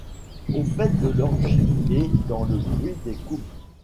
Au faîte de l’orgie et dans le bruit des coupes